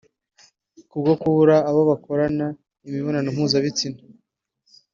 Kubwo kubura abo bakorana imibonano mpuzabitsina